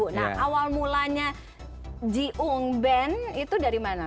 nah awal mulanya jiung ben itu dari mana